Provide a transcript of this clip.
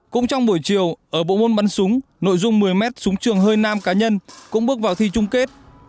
cũng trong buổi chiều ở bộ môn bắn súng nội dung một mươi m súng trường hơi nam cá nhân cũng bước vào thi chung kết